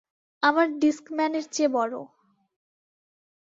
আমার ডিস্কম্যান এর চেয়ে বড়।